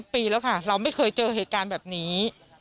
ปีแล้วค่ะเราไม่เคยเจอเหตุการณ์แบบนี้